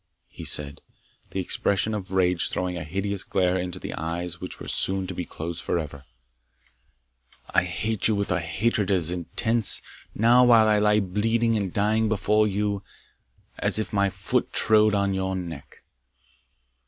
he said, the expression of rage throwing a hideous glare into the eyes which were soon to be closed for ever "I hate you with a hatred as intense, now while I lie bleeding and dying before you, as if my foot trode on your neck."